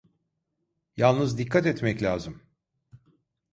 Yalnız dikkat etmek lazım…